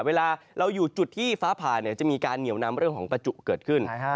เวลาเราอยู่จุดที่ฟ้าผ่าจะมีการเหนียวนำเรื่องของประจุเกิดขึ้น